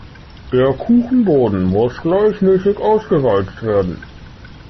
Der Kuchenboden muss gleichmäßig ausgewalzt werden.